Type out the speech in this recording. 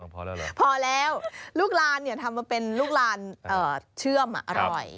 พอแล้วพอแล้วลูกลานทำมาเป็นลูกลานเชื่อมอร่อย